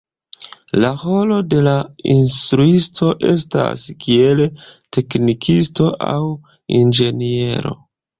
La rolo de la instruisto estas kiel teknikisto aŭ inĝeniero.